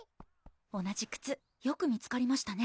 同じ靴よく見つかりましたね